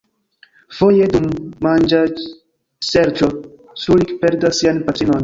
Foje dum manĝaĵserĉo Srulik perdas sian patrinon.